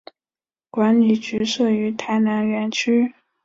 管理局设于台南园区。